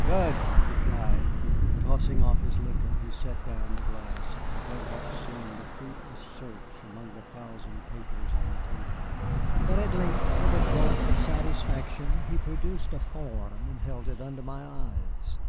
"Good!" he cried. Tossing off his liquor, he set down the glass and began what seemed a fruitless search among the thousand papers on the table. But at length, with a grunt of satisfaction, he produced a form and held it under my eyes.